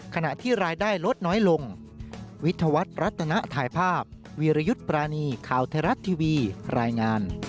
ขณะที่รายได้ลดน้อยลง